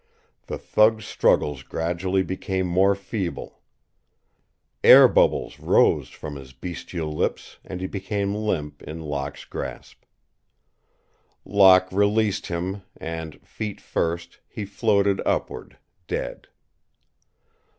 The thug's struggles gradually became more feeble. Air bubbles rose from his bestial lips and he became limp in Locke's grasp. Locke released him and, feet first, he floated upward, dead.